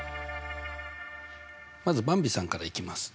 まずばんびさんからいきます。